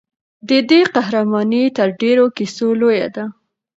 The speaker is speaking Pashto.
د دې قهرماني تر ډېرو کیسو لویه ده.